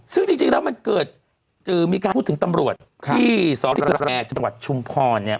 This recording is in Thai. ซึ่งจริงแล้วมันเกิดมีการพูดถึงตำรวจที่สพตระแก่จังหวัดชุมพรเนี่ย